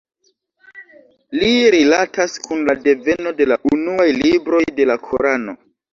Li rilatas kun la deveno de la unuaj libroj de la Korano.